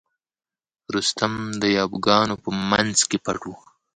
رستم د یابو ګانو په منځ کې پټ و.